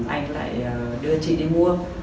anh lại đưa chị đi mua